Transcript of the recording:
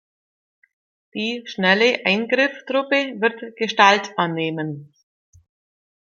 Die Schnelle Eingreiftruppe wird Gestalt annehmen.